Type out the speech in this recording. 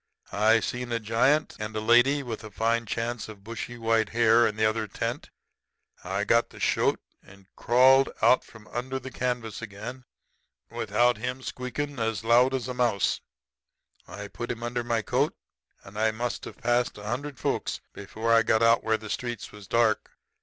I seen a giant and a lady with a fine chance of bushy white hair in the other tent. I got the shoat and crawled out from under the canvas again without him squeakin' as loud as a mouse. I put him under my coat, and I must have passed a hundred folks before I got out where the streets was dark.